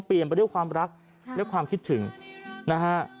ไปด้วยความรักและความคิดถึงนะฮะ